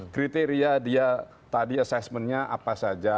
kriteria dia tadi assessmentnya apa saja